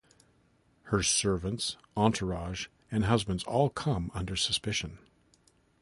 Her servants, entourage and husbands all come under suspicion.